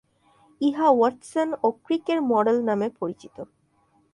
ইহা ওয়াটসন ও ক্রিক-এর মডেল নামে পরিচিত।